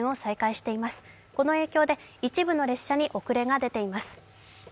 この影響で一部の列車に遅れが出ています。